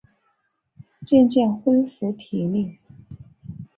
渐渐恢复体力